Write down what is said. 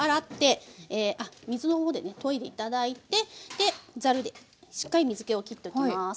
あっ水の方でねといで頂いてざるでしっかり水けをきっておきます。